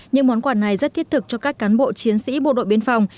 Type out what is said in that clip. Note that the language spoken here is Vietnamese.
những món quà này rất thiết thực cho các cán bộ chiến sĩ bộ đội biên phòng